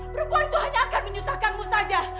perempuan itu hanya akan menyusahkanmu saja